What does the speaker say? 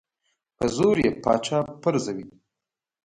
په زور یې پاچا پرزوي.